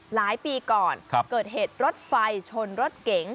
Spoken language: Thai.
หลายปีก่อนเกิดเหตุรถไฟชนรถเก๋ง